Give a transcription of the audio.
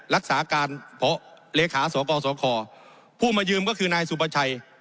รักษาการเพาะเลขาสวกรสวขอผู้มายืมก็คือนายสุปชัย